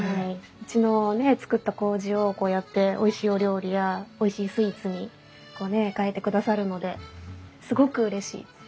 うちの造ったこうじをこうやっておいしいお料理やおいしいスイーツに変えてくださるのですごくうれしいです。